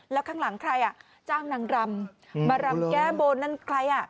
แล้วข้างหลังใครอ่ะจ้างนางรำมารำแก้บนนั่นใครอ่ะ